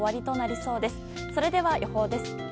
それでは、予報です。